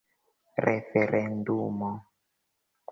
referendumo